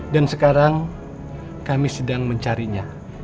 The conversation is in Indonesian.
dan sekarang kami sedang mencarinya